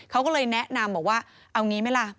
เขาก็เลยแนะนำบอกว่าเอางี้ไหมล่ะ